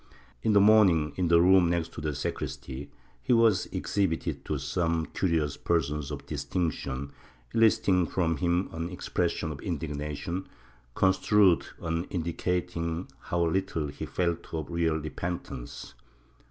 In the morning, in a room next to the sacristy, he was exhibited to some curious persons of distinction, eliciting from him an expression of indig nation, construed as indicating how little he felt of real repentance.